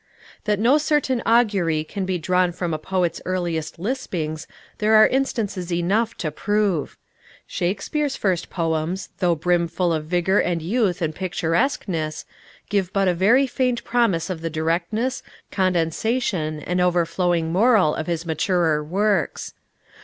That no certain augury can be drawn from a poet's earliest lispings there are instances enough to prove. Shakespeare's first poems, though brimful of vigor and youth and picturesqueness, give but a very faint promise of the directness, condensation and overflowing moral of his maturer works.